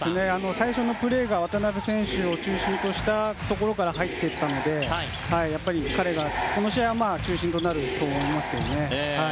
最初のプレーが渡邊選手を中心としたところから入っていったので彼がこの試合では中心となると思いますね。